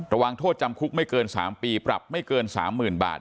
ระวังโทษจำคุกไม่เกิน๓ปีปรับไม่เกิน๓๐๐๐บาท